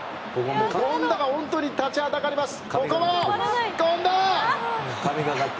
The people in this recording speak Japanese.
権田が本当に立ちはだかります。